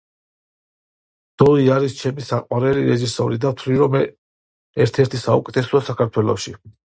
დოი არის ჩემი საყვარელი რეჟისორი და ვთვლი რომ ერთ-ერთი საუკეთესოა საქართველოში.